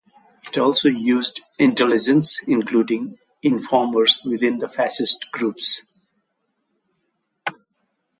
It also used intelligence, including informers within the fascist groups.